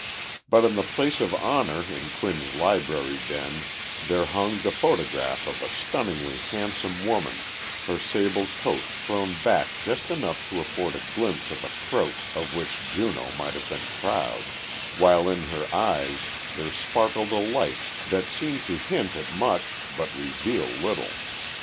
But in the place of honor in Quinn's library den there hung the photograph of a stunningly handsome woman, her sable coat thrown back just enough to afford a glimpse of a throat of which Juno might have been proud, while in her eyes there sparkled a light which seemed to hint at much but reveal little.